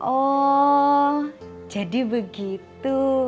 oh jadi begitu